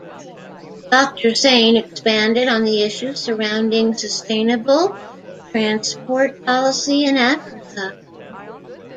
Doctor Sane expanded on the issues surrounding Sustainable Transport Policy in Africa.